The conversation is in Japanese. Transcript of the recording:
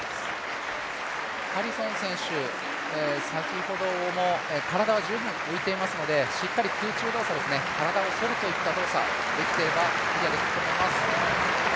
ハリソン選手、先ほども体は十分浮いていますので、しっかり空中動作ですね、体を反るという動作ができていればクリアできると思います。